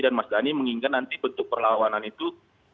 dan mas dhani mengingat nanti bentuk perlawanan itu